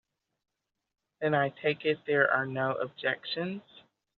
Then I take it there are no objections.